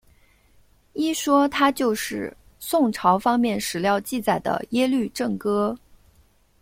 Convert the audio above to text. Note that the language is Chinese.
一说他就是宋朝方面史料记载的耶律郑哥。